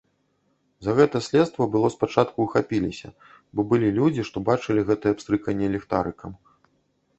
За гэта следства было спачатку ўхапілася, бо былі людзі, што бачылі гэтае пстрыканне ліхтарыкам.